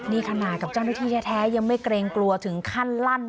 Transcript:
นี่ขนาดกับเจ้าหน้าที่แท้ยังไม่เกรงกลัวถึงขั้นลั่น